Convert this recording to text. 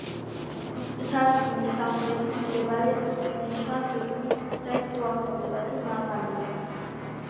სარკმლის სამხრეთით მდებარე ნიშა გეგმით წრეს უახლოვდება და სხვებთან შედარებით უფრო მაღალია.